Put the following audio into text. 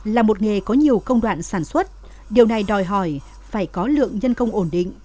là một nghề có nhiều công đoạn sản xuất điều này đòi hỏi phải có lượng nhân công ổn định